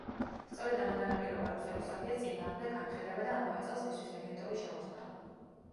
სწორედ ამან განაპირობა რუსების სოფიას წინააღმდეგ ამხედრება და ამავე წელს მისთვის რეგენტობის ჩამორთმევა.